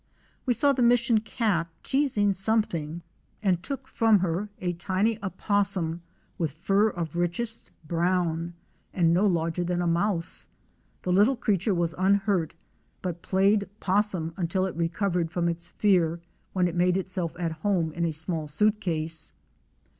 ™ We saw the mission cat teasing something and took from her 228 OUR SEARCH FOR A WILDERNESS. a tiny oppossum with fur of richest brown, and no larger than a mouse. The little creature was unhurt, but played 'possum until it recovered from its fear when it made itself at home in a small suitcase.